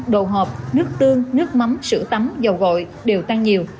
đồ họp nước tương nước mắm sữa tắm dầu gội đều tăng nhiều